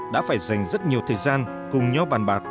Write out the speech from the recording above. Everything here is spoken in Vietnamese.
đã phải dành rất nhiều thời gian cùng nhau bàn bạc